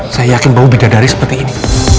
saya yakin bau bidadari seperti ini